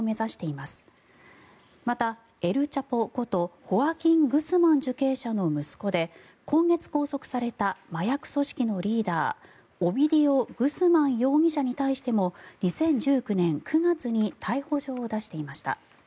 また、エル・チャポことホアキン・グスマン受刑者の息子で今月拘束された麻薬組織のリーダーオビディオ・グスマン容疑者に対しても２０１９年９月に逮捕状を出していました。